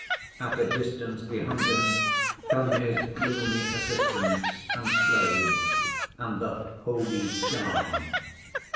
At a distance behind him come his gloomy assistants and slaves and the 'holy guard.